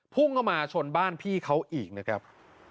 พุ่งเข้ามาชนบ้านพี่เขาอีกนะครับ